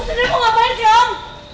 oh saudara kamu ngapain sih om